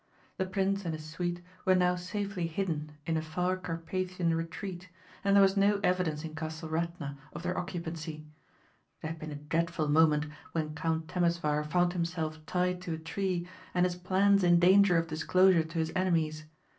The prince and his suite were now safely hidden in a far Carpathian retreat and there was no evidence in Castle Radna of their occupancy. It had been a dreadful moment when Count Temesvar found himself tied to a tree and his plans in danger of disclosure to his enemies.